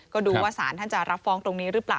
ก็ดูว่าสารท่านจะรับฟ้องตรงนี้หรือเปล่า